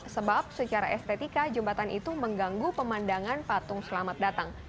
sebab secara estetika jembatan itu mengganggu pemandangan patung selamat datang